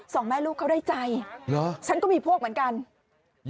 สองแม่ลูกเขาได้ใจเหรอฉันก็มีพวกเหมือนกัน